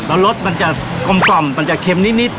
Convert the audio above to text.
แล้วรสมันจะกลมมันจะเค็มนิด